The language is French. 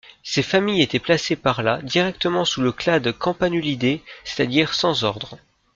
Ces familles étaient placées par la directement sous le clade Campanulidées, c'est-à-dire sans ordre.